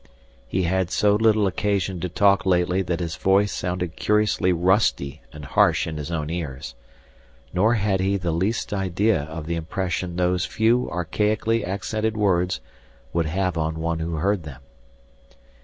He had so little occasion to talk lately that his voice sounded curiously rusty and harsh in his own ears. Nor had he the least idea of the impression those few archaically accented words would have on one who heard them.